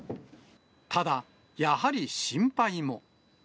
ただ、やはり心配も。